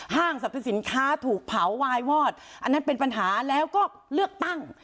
ห้างสรรพสินค้าถูกเผาวายวอดอันนั้นเป็นปัญหาแล้วก็เลือกตั้ง